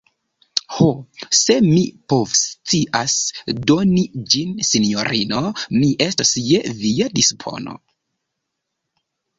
Ho, se mi povoscias doni ĝin, sinjorino, mi estos je via dispono.